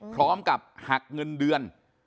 พร้อมกับหักเงินเดือน